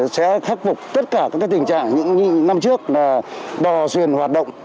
sẽ khắc phục tất cả các tình trạng những năm trước là đò xuyên hoạt động